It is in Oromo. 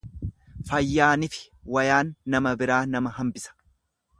Fayyaanifi wayaan nama biraa nama hambisa.